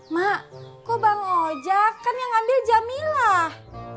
mak kok bang ojak kan yang ambil jamilah